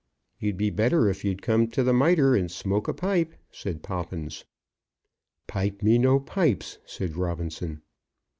"You'd be better if you'd come to the 'Mitre,' and smoke a pipe," said Poppins. "Pipe me no pipes," said Robinson.